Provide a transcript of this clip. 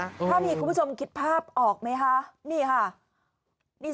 ถ้ามีคุณผู้ชมคิดภาพออกไหมคะนี่ค่ะ